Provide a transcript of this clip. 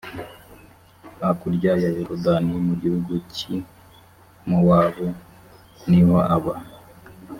hakurya ya yorodani mu gihugu cy i mowabu niho aba.